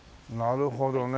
なるほどね。